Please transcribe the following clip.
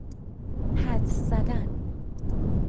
حدس زدن